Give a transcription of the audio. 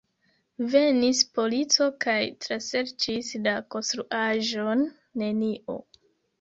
Venis polico kaj traserĉis la konstruaĵon: nenio.